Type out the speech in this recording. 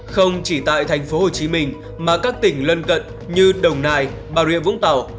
không chỉ tại thành phố hồ chí minh mà các tỉnh lân cận như đồng nai bà rịa vũng tàu